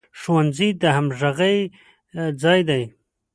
ښوونځی د همغږۍ ځای دی